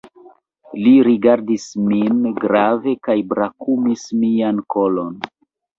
Li rigardis min grave kaj brakumis mian kolon.